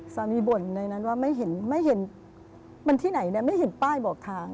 บ่นในนั้นว่าไม่เห็นไม่เห็นมันที่ไหนไม่เห็นป้ายบอกทาง